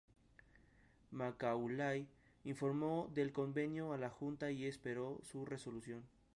Macaulay informó del convenio a la junta y espero su resolución.